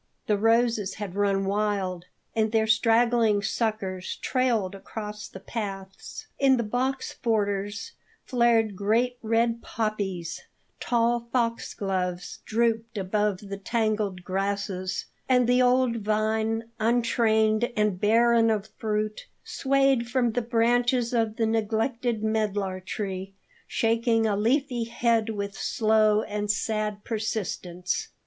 The roses had run wild, and their straggling suckers trailed across the paths; in the box borders flared great red poppies; tall foxgloves drooped above the tangled grasses; and the old vine, untrained and barren of fruit, swayed from the branches of the neglected medlar tree, shaking a leafy head with slow and sad persistence.